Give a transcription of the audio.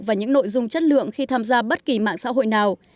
và những nội dung chất lượng khi tham gia bất kỳ mạng xã hội nào